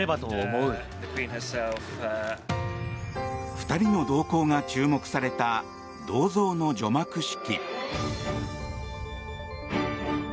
２人の動向が注目された銅像の除幕式。